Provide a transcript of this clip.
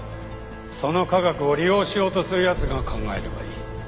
その科学を利用しようとする奴が考えればいい。